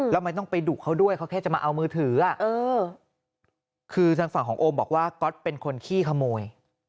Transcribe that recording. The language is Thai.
แล้วมันต้องไปดุเขาด้วยเขาแค่จะมาเอามือถือคือทางฝั่งของโอมบอกว่าก๊อตเป็นคนขี้ขโมย